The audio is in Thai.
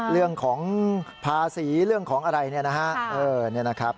เรื่องของภาษีเรื่องของอะไรเนี่ยนะฮะ